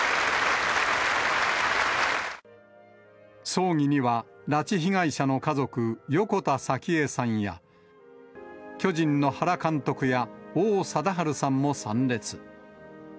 葬儀には、拉致被害者の家族、横田早紀江さんや、巨人の原監督や、王貞治さんも参列。